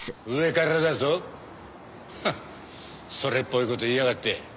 それっぽい事言いやがって。